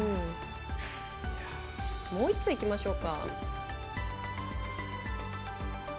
もう１通いきましょう。